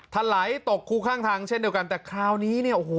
ถลายตกคู่ข้างทางเช่นเดียวกันแต่คราวนี้เนี่ยโอ้โห